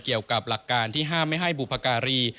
เกี่ยวกับหลักการที่ห้ามไม่ให้บุพการี